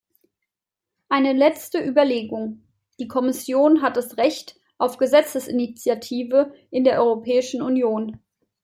Eine letzte Überlegung: Die Kommission hat das Recht auf Gesetzesinitiative in der Europäischen Union.